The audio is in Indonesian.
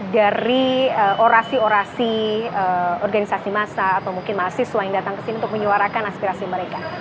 dari orasi orasi organisasi massa atau mungkin mahasiswa yang datang ke sini untuk menyuarakan aspirasi mereka